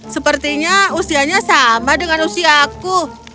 sepertinya usianya sama dengan usia aku